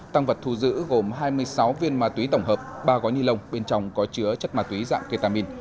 tăng vật thu giữ gồm hai mươi sáu viên ma túy tổng hợp ba gói ni lông bên trong có chứa chất ma túy dạng ketamin